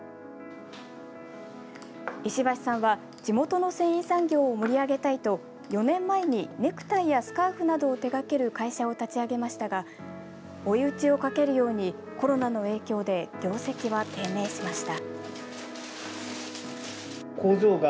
石橋さんは地元の繊維産業を盛り上げたいと４年前にネクタイやスカーフなどを手がける会社を立ち上げましたが追い打ちをかけるようにコロナの影響で業績は低迷しました。